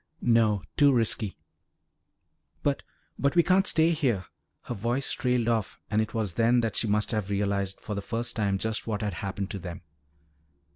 "No. Too risky." "But but we can't stay here " Her voice trailed off and it was then that she must have realized for the first time just what had happened to them.